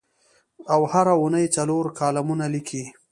او هره اوونۍ څلور کالمونه لیکي.